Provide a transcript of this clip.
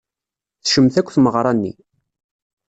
Tecmet akk tmeɣra-nni.